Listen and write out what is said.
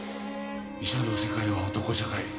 医者の世界は男社会。